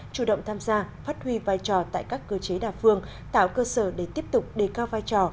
chủ động tham gia phát huy vai trò tại các cơ chế đa phương tạo cơ sở để tiếp tục đề cao vai trò